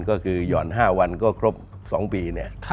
ก็คือหย่อน๕วันก็ครบ๒ปี